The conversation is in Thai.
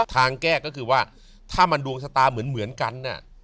ทางแก้ก็คือว่าถ้ามันดวงชะตาเหมือนกัน